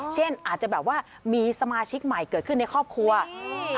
อาจจะแบบว่ามีสมาชิกใหม่เกิดขึ้นในครอบครัวอืม